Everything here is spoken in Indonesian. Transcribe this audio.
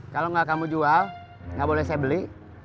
kalau gak kamu jual gak boleh saya beli